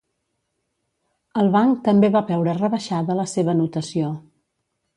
El banc també va veure rebaixada la seva notació.